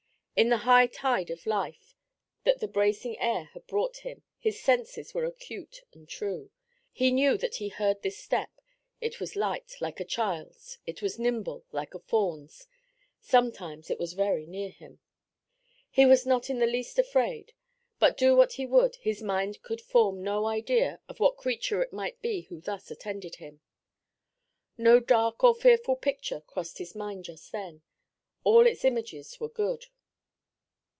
In the high tide of life that the bracing air had brought him, his senses were acute and true. He knew that he heard this step: it was light, like a child's; it was nimble, like a fawn's; sometimes it was very near him. He was not in the least afraid; but do what he would, his mind could form no idea of what creature it might be who thus attended him. No dark or fearful picture crossed his mind just then; all its images were good.